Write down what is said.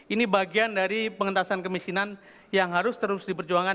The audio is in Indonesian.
ini bagian dari pengentasan kemiskinan yang harus terus diperjuangkan